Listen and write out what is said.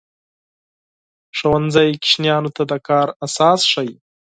ښوونځی ماشومانو ته د کار اساس ښيي.